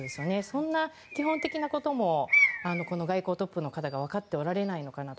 そんな基本的なことも外交トップの方が分かっておられないのかと。